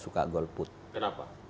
suka golput kenapa